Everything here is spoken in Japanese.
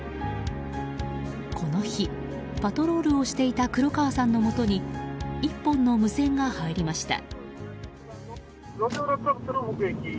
この日、パトロールをしていた黒川さんのもとに１本の無線が入りました。